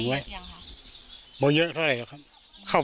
มันเยอะเท่าไหร่ครับ